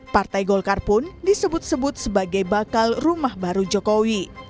partai golkar pun disebut sebut sebagai bakal rumah baru jokowi